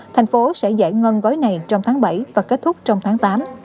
thành phố sẽ giải ngân gói này trong tháng bảy và kết thúc trong tháng tám